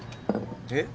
えっ？